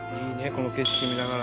この景色見ながら。